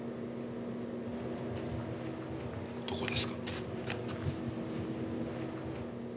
どこですか？